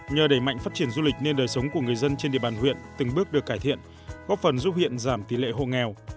nhờ đẩy mạnh phát triển du lịch nên đời sống của người dân trên địa bàn huyện từng bước được cải thiện góp phần giúp huyện giảm tỷ lệ hộ nghèo